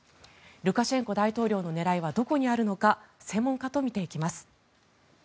ルカシェンコ大統領の狙いはどこにあるのか専門家と見ていきます。